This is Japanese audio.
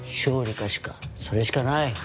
それしかない。